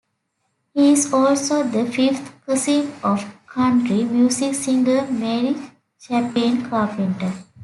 He is also the fifth cousin of country music singer Mary Chapin Carpenter.